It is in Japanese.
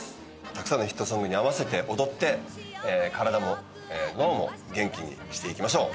たくさんのヒットソングに合わせて踊って体も脳も元気にしていきましょう。